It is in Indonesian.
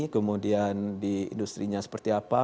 kemudian di industri nya seperti apa